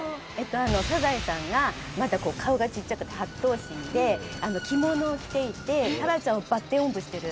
サザエさんがまだ顔がちっちゃくて８頭身で着物を着ていてタラちゃんをバッテンおんぶしてる。